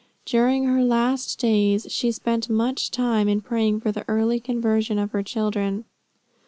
During her last days she spent much time in praying for the early conversion of her children.